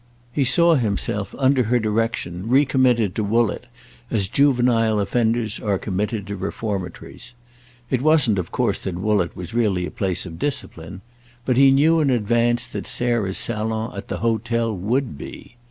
He saw himself, under her direction, recommitted to Woollett as juvenile offenders are committed to reformatories. It wasn't of course that Woollett was really a place of discipline; but he knew in advance that Sarah's salon at the hotel would be.